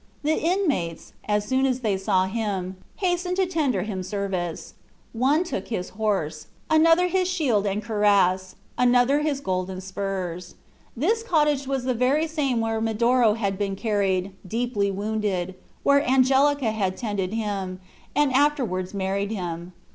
The inmates, as soon as they saw him, hastened to tender him service. One took his horse, another his shield and cuirass, another his golden spurs. This cottage was the very same where Medoro had been carried, deeply wounded, where Angelica had tended him, and afterwards married him.